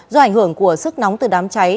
do ảnh hưởng của sức nóng từ đám trái